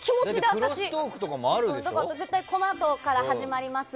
このあとから始まります